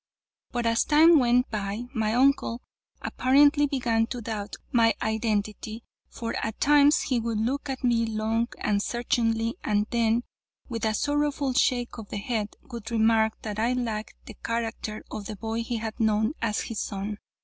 But as time went by, my uncle apparently began to doubt my identity, for at times he would look at me long and searchingly, and then, with a sorrowful shake of the head, would remark that I lacked the character of the boy he had known as his son.